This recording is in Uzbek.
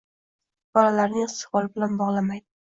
bolalarining istiqboli bilan bog‘lamaydi.